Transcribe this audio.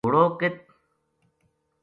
گھوڑو ک